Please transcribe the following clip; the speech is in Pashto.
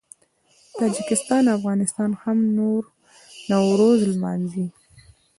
تاجکستان او افغانستان هم نوروز لمانځي.